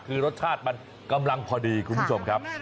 คือรสชาติมันกำลังพอดีคุณผู้ชมครับ